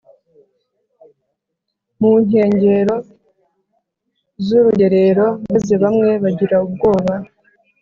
munkengero zurugerero maze bamwe bagira ubwoba